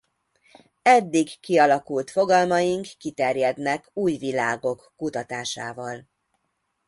Eddig kialakult fogalmaink kiterjednek új világok kutatásával.